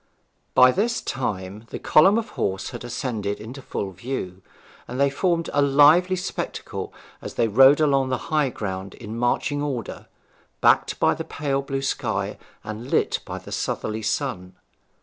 By this time the column of horse had ascended into full view, and they formed a lively spectacle as they rode along the high ground in marching order, backed by the pale blue sky, and lit by the southerly sun.